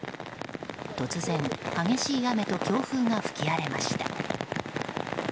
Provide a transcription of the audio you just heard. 突然、激しい雨と強風が吹き荒れました。